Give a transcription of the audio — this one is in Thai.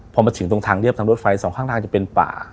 พอมาถึงตรงทางเรียบทางรถไฟสองข้างทางจะเป็นป่า